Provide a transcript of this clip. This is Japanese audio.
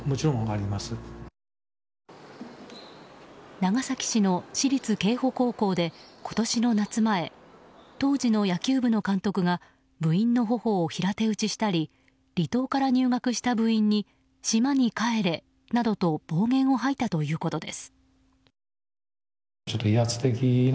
長崎市の私立瓊浦高校で今年の夏前当時の野球部の監督が部員の頬を平手打ちしたり離島から入学した部員に島に帰れなどと暴言を吐いたということです。